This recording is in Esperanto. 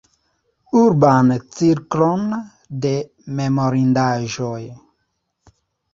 Urban cirklon de memorindaĵoj.